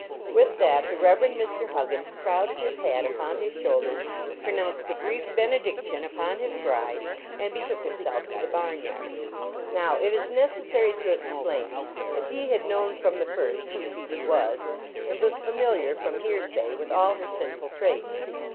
With that the Rev. Mr. Huggins crowded his hat upon his shoulders, pronounced a brief benediction upon his bride, and betook himself to the barn yard. Now, it is necessary to explain that he had known from the first who Phoebe was, and was familiar, from hearsay, with all her sinful traits.